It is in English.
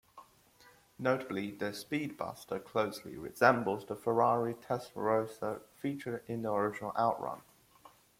Notably, the Speed Buster closely resembles the Ferrari Testarossa featured in the original OutRun.